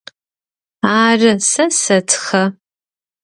Ары, сэ сэтхэ.